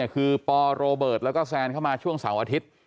คือปโรเบิร์ตแล้วก็แซนเข้ามาช่วงเสาร์อาทิตย์